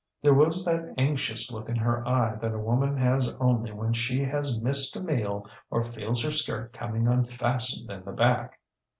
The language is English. There was that anxious look in her eye that a woman has only when she has missed a meal or feels her skirt coming unfastened in the back.